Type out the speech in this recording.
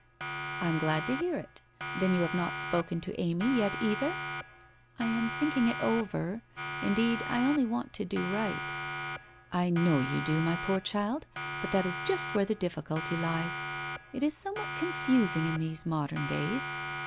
I am glad to hear it. Then you have not spoken to Amy yet cither? '' I am thinking it over. Indeed, I only want to do right.' ' I know you do, my poor child, but that is just where the difficulty lies. It is somewhat confusing in these modern days.